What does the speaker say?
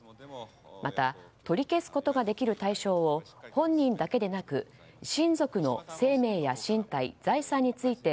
また取り消すことができる対象を本人だけでなく親族の生命や身体、財産について